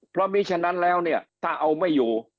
เพราะมีฉะนั้นแล้วเนี่ยถ้าเอาไม่อยู่